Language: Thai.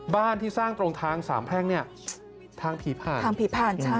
บ้านที่สร้างตรงทางสามแพร่งเนี่ยทางผีผ่าน